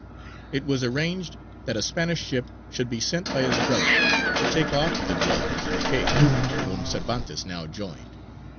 It was arranged that a Spanish ship should be sent by his brother to take off the dwellers in the cave, whom Cervantes now joined.